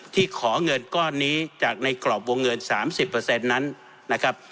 ที่ขอเงินก้อนนี้จากในกรอบวงเงินสามสิบเปอร์เซ็นต์นั้นนะครับ